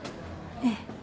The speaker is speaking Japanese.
ええ。